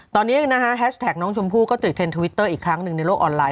ตอนนี้นะฮะแฮชแท็กน้องชมพู่ก็ติดเทรนดทวิตเตอร์อีกครั้งหนึ่งในโลกออนไลน